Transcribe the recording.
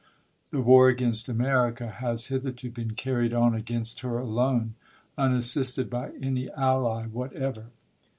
The war against America has hitherto been carried on against her alone, unassisted by any ally whatever.